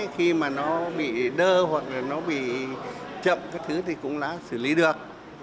khi mà nó bị đơ hoặc là nó bị chậm các thứ thì cũng đã xử lý được